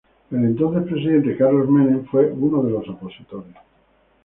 El entonces presidente, Carlos Menem fue uno de los opositores.